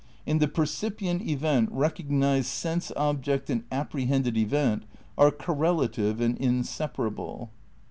'' In the percipient event recognised sense object and apprehended event are correlative and inseparable.